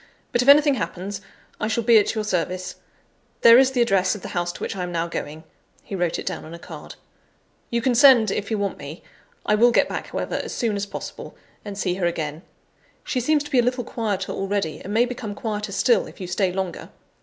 But if anything happens, I shall be at your service. There is the address of the house to which I am now going" (he wrote it down on a card); "you can send, if you want me. I will get back, however, as soon as possible, and see her again; she seems to be a little quieter already, and may become quieter still, if you stay longer.